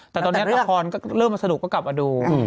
แต่ตอนนี้ละครก็เริ่มมาสนุกก็กลับมาดู